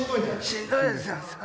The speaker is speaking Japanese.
しんどいですよ。